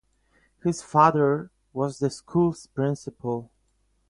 His father was the school's principal.